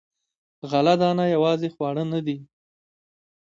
غله دانه یوازې خواړه نه دي.